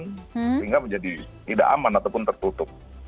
sehingga menjadi tidak aman ataupun tertutup